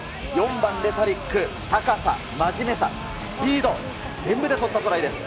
４番レタリック、高さ、真面目さ、スピード、全部で取ったトライです。